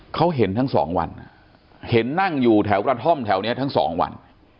เขาเห็นทั้งสองวันเห็นนั่งอยู่แถวกระท่อมแถวนี้ทั้งสองวัน